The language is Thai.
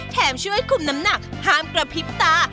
แถมช่วยคุมน้ำหนักห้ามกระพริบตา